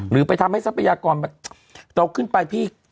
ไปทำให้ทรัพยากรเราขึ้นไปพี่